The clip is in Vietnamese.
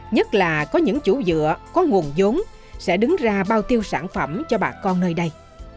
nhất là có những chủ dựa có nguồn giống sẽ đứng ra bao tiêu sản phẩm cho bà con nơi đây